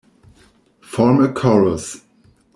Form a chorus.